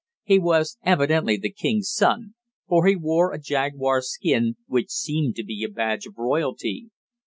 He was evidently the king's son, for he wore a jaguar skin, which seemed to be a badge of royalty.